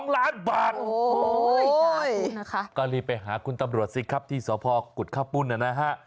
๑๒ล้านบาทก็รีบไปหาคุณตำรวจซิครับที่สภอกุดข้าวปุ่นนะฮะ